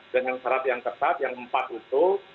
dengan syarat yang ketat yang empat itu